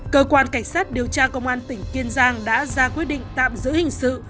cơ quan cảnh sát điều tra công an tỉnh kiên giang đã ra quyết định tạm giữ hình sự